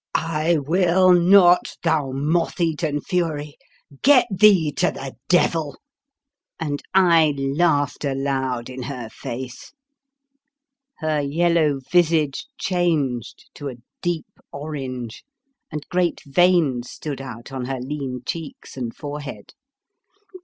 I will not, thou moth eaten fury! get thee to the devil!" and I laughed aloud in her face. 83 The Fearsome Island Her yellow visage changed to a deep orange, and great veins stood out on her lean cheeks and forehead.